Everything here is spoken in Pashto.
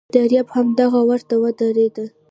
دریاب همدغه وره ته ودرېد.